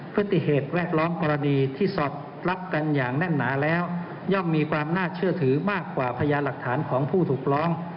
ติเหตุแวดล้อมกรณีที่สอดรับกันอย่างแน่นหนาแล้วย่อมมีความน่าเชื่อถือมากกว่าพยานหลักฐานของผู้ถูกร้อง